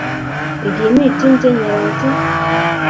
Igimityi che nyeroti